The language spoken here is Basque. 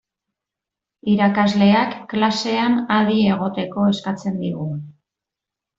Irakasleak klasean adi egoteko eskatzen digu.